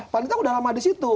panitera udah lama di situ